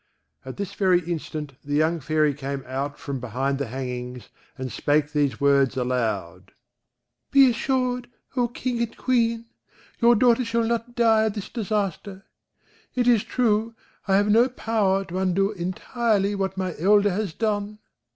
At this very instant the young Fairy came out from behind the hangings, and spake these words aloud: "Be reassured, O King and Queen; your daughter shall not die of this disaster: it is true, I have no power to undo intirely what my elder has done.